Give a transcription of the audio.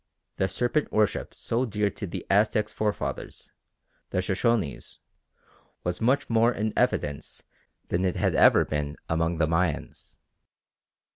The serpent worship so dear to the Aztecs' forefathers, the Shoshonees, was much more in evidence than it had ever been among the Mayans.